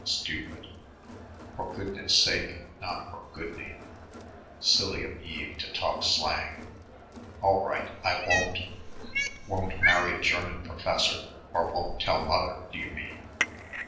stupid ... "for goodness' sake," not "for goodney." Silly of Eve to talk slang.... "All right. I won't." "Won't marry a German professor, or won't tell mother, do you mean?...